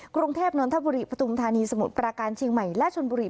กรุงเทพนนทบุรีปฐุมธานีสมุทรปราการเชียงใหม่และชนบุรี